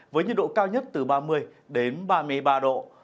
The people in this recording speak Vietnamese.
với nhiệt độ cao nhất từ ba mươi đến ba mươi ba độ